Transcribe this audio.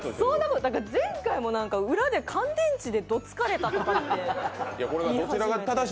前回も裏で乾電池でどつかれたとかって言い始めて。